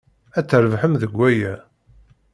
Ad trebḥem deg waya.